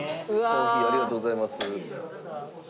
コーヒーありがとうございます。